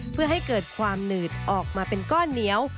เพื่อให้เกิดความหนืดออกมาเป็นก้อนเหนียว